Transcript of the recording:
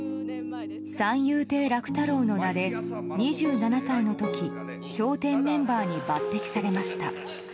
三遊亭楽太郎の名で２７歳の時「笑点」メンバーに抜擢されました。